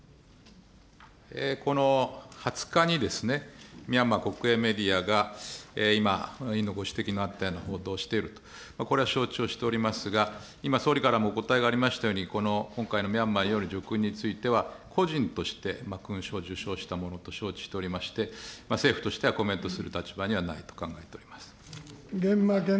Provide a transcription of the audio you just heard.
この２０日にですね、ミャンマー国営メディアが今、委員のご指摘のあったような報道をしていると、これは承知をしておりますが、今、総理からもお答えがありましたように、今回のミャンマーによる叙勲については、個人として、勲章を受章したものと承知しておりまして、政府としてはコメントする立場にはないと考えております。